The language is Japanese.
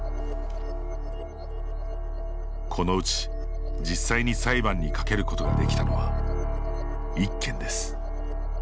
このうち、実際に裁判にかけることができたのは１件です。